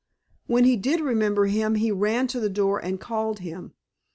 When he did remember him he ran to the door and called him.